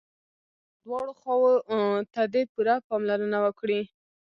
دغو دواړو خواوو ته دې پوره پاملرنه وکړي.